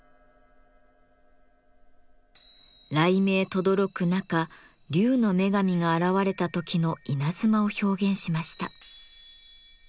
雷鳴とどろく中竜の女神が現れた時の稲妻を表現しました。